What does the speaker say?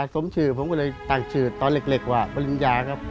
สมชื่อผมก็เลยตั้งชื่อตอนเล็กว่าปริญญาครับ